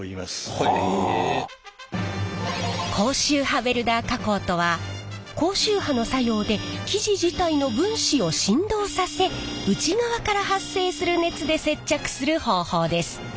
高周波ウェルダー加工とは高周波の作用で生地自体の分子を振動させ内側から発生する熱で接着する方法です。